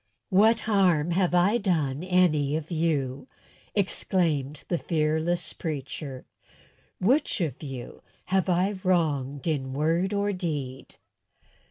"What harm have I done any of you?" exclaimed the fearless preacher. "Which of you have I wronged in word or deed?"